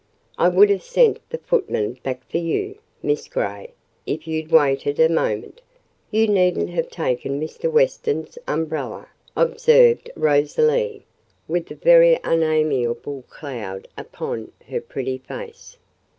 "I would have sent the footman back for you, Miss Grey, if you'd waited a moment—you needn't have taken Mr. Weston's umbrella," observed Rosalie, with a very unamiable cloud upon her pretty face.